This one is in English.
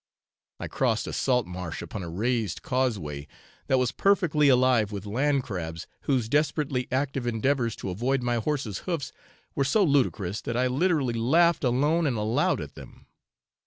I crossed a salt marsh upon a raised causeway that was perfectly alive with land crabs, whose desperately active endeavours to avoid my horse's hoofs were so ludicrous that I literally laughed alone and aloud at them.